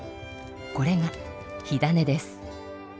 これが火種です。